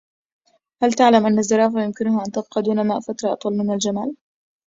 هل تعلم أن الزرافة يمكنها أن تبقى دون ماء فترة أطول من الجمل.